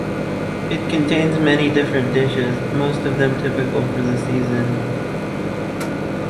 It contains many different dishes, most of them typical for the season.